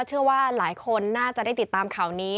เชื่อว่าหลายคนน่าจะได้ติดตามข่าวนี้